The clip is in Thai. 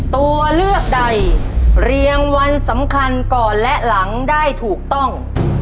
ตัวเลือกใดเรียงวันสำคัญก่อนและหลังได้ถูกต้อง